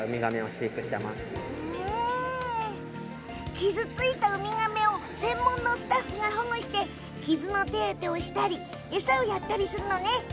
傷ついたウミガメを専門のスタッフが保護して傷の手当てをしたり餌やりをしてあげるの。